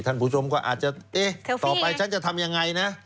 ท่านผู้ชมก็อาจจะเอ๊ะต่อไปฉันจะทำยังไงนะ